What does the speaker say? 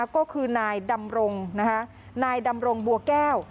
ก็คือนายดำรงนายดำรงบัวแก้ว